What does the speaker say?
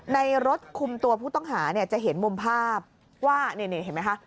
ในรถคุมตัวผู้ต้องหาเนี่ยจะเห็นมุมภาพว่านี่เห็นไหมคะ